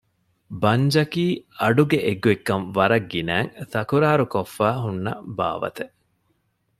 ބަނޖަކީ އަޑުގެ އެއްގޮތްކަން ވަރަށް ގިނައިން ތަކުރާރުކޮށްފައި ހުންނަ ބާވަތެއް